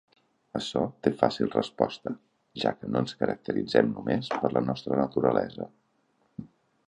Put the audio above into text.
Açò té fàcil resposta, ja que no ens caracteritzem només per la nostra naturalesa.